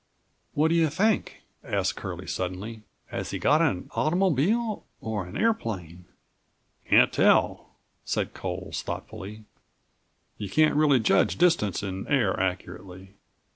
"What do you think," asked Curlie suddenly, "has he got an automobile or an airplane?" "Can't tell," said Coles thoughtfully. "You can't really judge distances in air accurately.